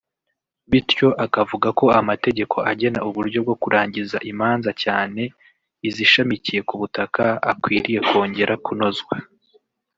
bityo akavuga ko amategeko agena uburyo bwo kurangiza imanza cyane izishamikiye ku butaka akwiriye kongera kunozwa